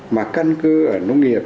mà căn cơ ở nông nghiệp